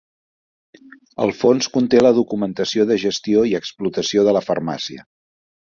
El fons conté la documentació de gestió i explotació de la farmàcia.